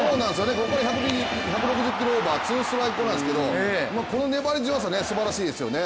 ここから１６０キロオーバーツーストライク後なんですけどこの粘り強さ、すばらしいですよね